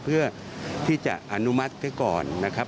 เพื่อที่จะอนุมัติไว้ก่อนนะครับ